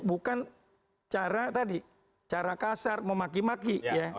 bukan cara tadi cara kasar memaki maki ya